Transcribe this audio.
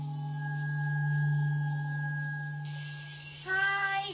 はい。